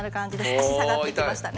足下がってきましたね。